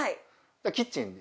キッチンに。